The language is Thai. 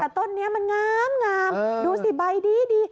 แต่ต้นนี้มันงามดูสิใบดี